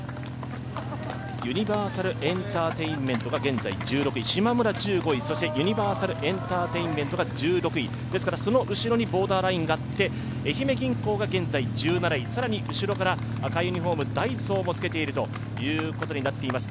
ユニバーサルエンターテインメントが現在１６位、しまむら１５位ユニバーサルエンターテインメントが１６位、ですからその後ろにボーダーラインがあって、愛媛銀行が１７位、更に後ろから赤いユニフォーム、ダイソーもつけているということになっています。